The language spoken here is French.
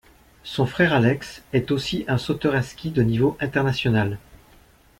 Son frère Alex est aussi un sauteur à ski de niveau international.